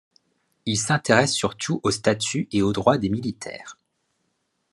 Il s'intéresse surtout au statut et aux droits des militaires.